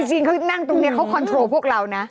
จริงเขานั่งตรงนี้เขาคอนโทรพวกเรานะ